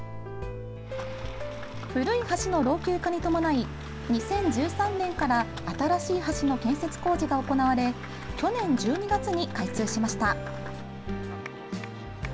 古い橋の老朽化に伴い２０１３年から新しい橋の建設工事が行われ去年１２月に開通しました。